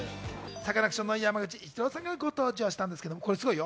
サカナクションの山口一郎さんが登場したんですけど、すごいよ。